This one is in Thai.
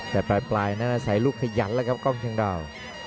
แต่ปลายนั้นใส่ลูกขยันแล้วครับกล้องเชียงดาว